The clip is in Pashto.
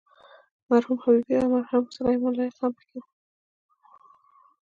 مرحوم حبیبي او مرحوم سلیمان لایق هم په کې وو.